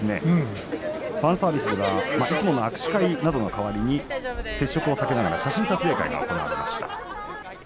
ファンサービスでは握手会などの代わりに接触を避けるために写真撮影会が行われました。